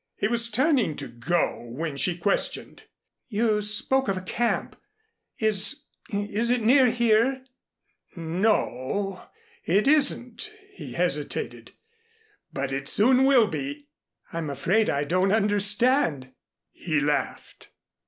He was turning to go, when she questioned: "You spoke of a camp. Is is it near here?" "N o. It isn't," he hesitated, "but it soon will be." "I'm afraid I don't understand." He laughed.